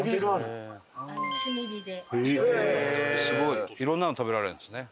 いろんなの食べられるんですね。